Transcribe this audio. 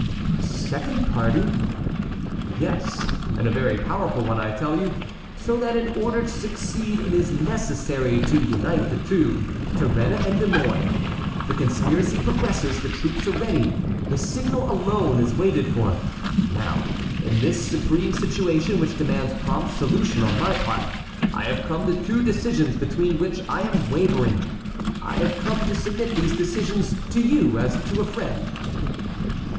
"A second party?" "Yes, and a very powerful one, I tell you, so that in order to succeed it is necessary to unite the two—Turenne and De Mouy. The conspiracy progresses, the troops are ready, the signal alone is waited for. Now in this supreme situation, which demands prompt solution on my part, I have come to two decisions between which I am wavering. I have come to submit these decisions to you as to a friend."